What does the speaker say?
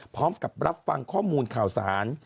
พร้อมกับรับฟังข้อมูลข่าวสาร